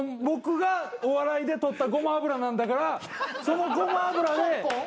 僕がお笑いで取ったごま油なんだからそのごま油で。